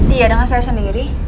iya dengar saya sendiri